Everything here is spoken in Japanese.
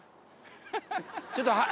ちょっと。